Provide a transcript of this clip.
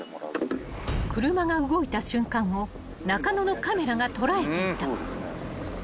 ［車が動いた瞬間を中野のカメラが捉えていた］